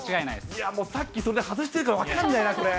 いやもうさっき、それで外してるから、分かんないな、それ。